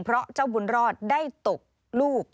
เพราะเจ้าบุญรอดได้ตกลูก